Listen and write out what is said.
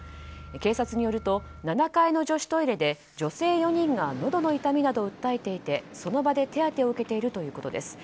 警察によると７階の女子トイレで女性４人がのどの痛みなどを訴えていてその場で手当てを受けているということです。